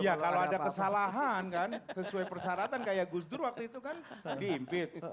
iya kalau ada kesalahan kan sesuai persyaratan kayak gus dur waktu itu kan diimpeach